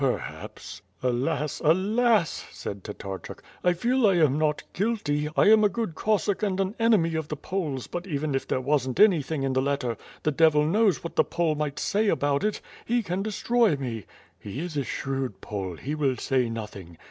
"Perhaps " "Alas! Alas!" said Tatarchuk. "I feel I am not guilty, I am a good Cossack and an enemy of the Poles but even if there wasn't anything in the letter, the devil knows what the Pole might say about it. He can destroy me." "He is a shrewd Pole; he will say nothing."